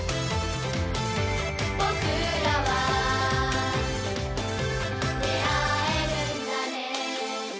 「僕らは出会えるんだね」